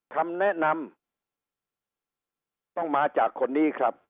คำแนะนำต้องมาจากคนนี้ครับ